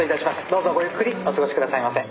どうぞごゆっくりお過ごしくださいませ。